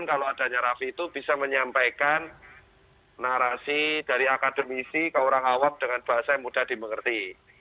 kalau adanya raffi itu bisa menyampaikan narasi dari akademisi ke orang awak dengan bahasa yang mudah dimengerti